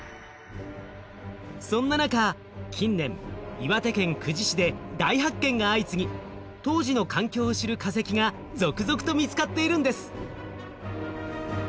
そんな中近年岩手県久慈市で大発見が相次ぎ当時の環境を知る化石が続々と見つかっているんです。